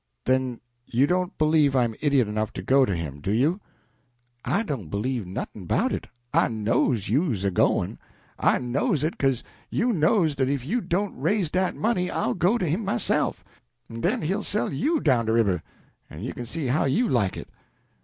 "Then you don't believe I'm idiot enough to go to him, do you?" "I don't b'lieve nothin' 'bout it I knows you's a goin'. I knows it 'ca'se you knows dat if you don't raise dat money I'll go to him myself, en den he'll sell you down de river, en you kin see how you like it!"